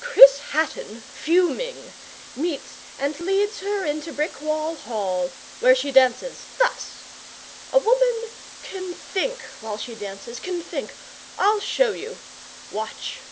'Chris Hatton, fuming, meets and leads her into Brickwall Hall, where she dances thus. A woman can think while she dances can think. I'll show you. Watch!